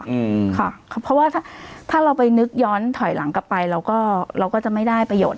อืมค่ะเพราะว่าถ้าถ้าเราไปนึกย้อนถอยหลังกลับไปเราก็เราก็จะไม่ได้ประโยชน